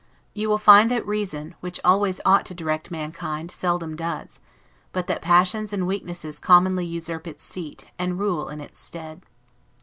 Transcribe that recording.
You will find that reason, which always ought to direct mankind, seldom does; but that passions and weaknesses commonly usurp its seat, and rule in its stead.